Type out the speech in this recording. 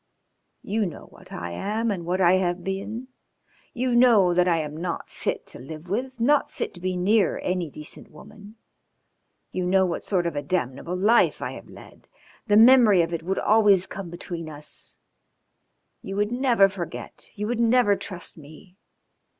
You know what I am and what I have been. You know that I am not fit to live with, not fit to be near any decent woman. You know what sort of a damnable life I have led; the memory of it would always come between us you would never forget, you would never trust me.